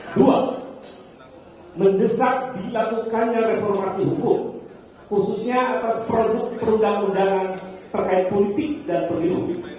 dua mendesak dilakukannya reformasi hukum khususnya atas produk perundang undangan terkait politik dan periodik